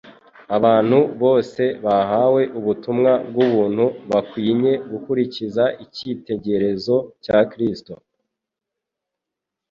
abantu bose bahawe ubutumwa bw'ubuntu bakwinye gukurikiza icyitegerezo cya Kristo;